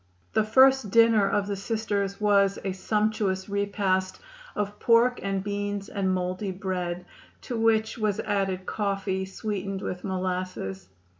The first dinner of the Sisters was a "sumptuous repast" of pork and beans and mouldy bread, to which was added coffee sweetened with molasses.